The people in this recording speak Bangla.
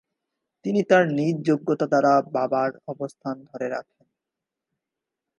তিনি তার নিজ যোগ্যতা দ্বারা বাবার অবস্থান ধরে রাখেন।